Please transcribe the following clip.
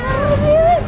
belum denger ya